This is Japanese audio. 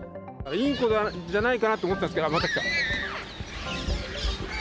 インコじゃないかなと思ったんですが、また来た。